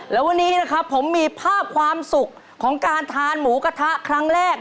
แล้ววันนี้นะครับผมมีภาพความสุขของการทานหมูกระทะครั้งแรก